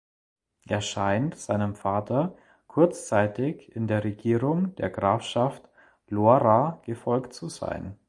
Er scheint seinem Vater kurzzeitig in der Regierung der Grafschaft Lohra gefolgt zu sein.